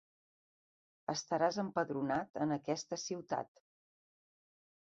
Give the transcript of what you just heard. Estaràs empadronat en aquesta ciutat.